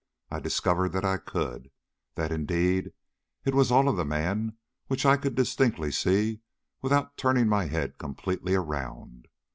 I discovered that I could; that indeed it was all of the man which I could distinctly see without turning my head completely around.